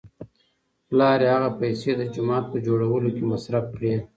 پلار یې هغه پیسې د جومات په جوړولو کې مصرف کړې.